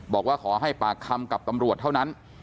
บอกว่าขอให้ปากคำกับตำรวจเท่านั้น